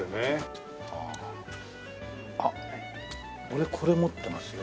あっ俺これ持ってますよ。